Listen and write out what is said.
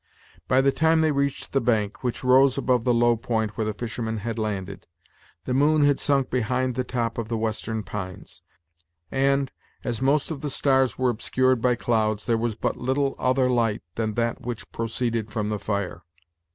By the time they reached the bank, which rose above the low point where the fishermen had landed, the moon had sunk behind the top of the western pines, and, as most of the stars were obscured by clouds, there was but little other light than that which proceeded from the fire.